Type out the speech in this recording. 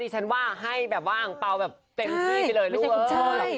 ดีฉันว่าให้แบบว่างปล่อยเต็มที่เลย